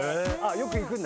よく行くんだ？